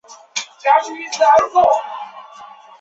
本县县治为托灵顿。